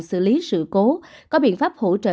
xử lý sự cố có biện pháp hỗ trợ